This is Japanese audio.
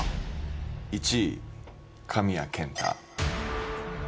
１位神谷健太。